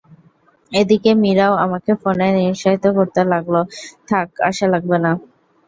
এদিকে মীরাও আমাকে ফোনে নিরুৎসাহিত করতে লাগল, থাক আসা লাগবে না।